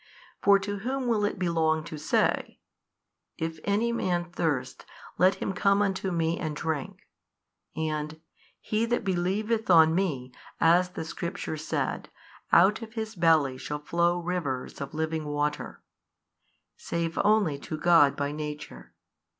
For to whom will it belong to say, If any man thirst, let him come unto Me and drink, and, He that believeth on Me, as the Scripture said, out of his belly shall flow rivers of living water, save only to God by Nature?